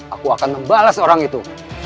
aku akan membalas orang itu